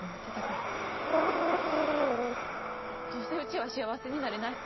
どうせうちは幸せになれない。